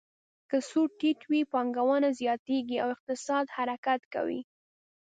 که سود ټیټ وي، پانګونه زیاتیږي او اقتصاد حرکت کوي.